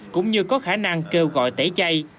cũng như có khả năng kêu gọi tẩy chay